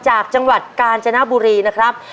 จากจังหวัดกาญจนบุรีนะครับ